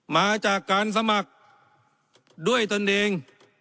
มาจากการสมัครด้วยตนเอง